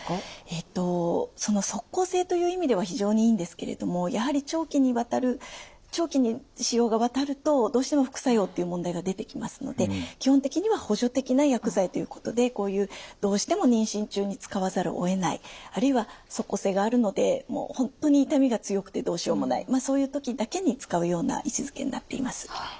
えと即効性という意味では非常にいいんですけれどもやはり長期にわたる長期に使用がわたるとどうしても副作用っていう問題が出てきますので基本的には補助的な薬剤ということでこういうどうしても妊娠中に使わざるをえないあるいは即効性があるので本当に痛みが強くてどうしようもないそういう時だけに使うような位置づけになっています。